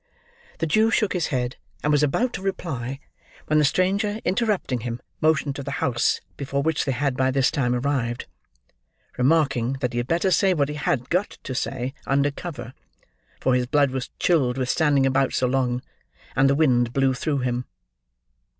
The Jew shook his head, and was about to reply, when the stranger, interrupting him, motioned to the house, before which they had by this time arrived: remarking, that he had better say what he had got to say, under cover: for his blood was chilled with standing about so long, and the wind blew through him.